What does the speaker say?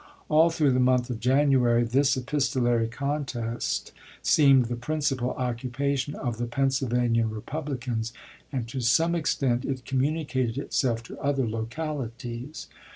All i86i. through the month of January this epistolary contest seemed the principal occupation of the Pennsylvania Republicans, and to some extent it communicated itself to other localities.